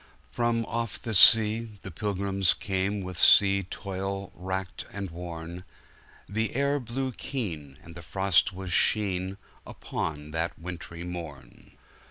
*From off the sea, the pilgrims came, With sea toil wracked and worn; The air blew keen, and the frost was sheen, Upon that wintry morn.